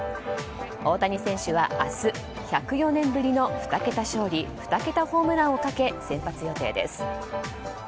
大谷選手は明日、１０４年ぶりの２桁勝利２桁ホームランをかけ先発予定です。